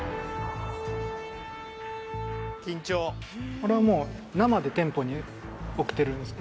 これはもう生で店舗に送ってるんですか？